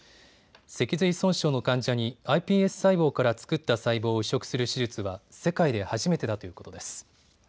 脊髄損傷の患者にｉＰＳ細胞から作った細胞を移植する手術は世界で初めてだということです。